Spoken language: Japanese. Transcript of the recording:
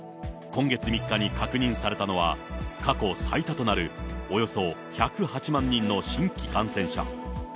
今月３日に確認されたのは、過去最多となるおよそ１０８万人の新規感染者。